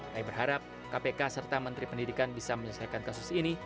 saya berharap kpk serta menteri pendidikan bisa menyelesaikan kasus ini